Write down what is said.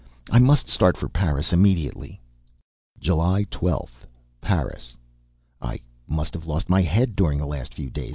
I must start for Paris immediately. July 12th. Paris. I must have lost my head during the last few days!